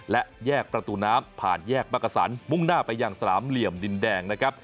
และแยกประตูน้ำผ่านแยกมักกษันมุ่งหน้าไปยังสนามเหลี่ยมดินแดงนะครับ